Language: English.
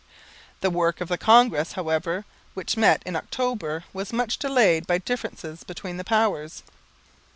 The work of the Congress, however, which met in October, was much delayed by differences between the Powers.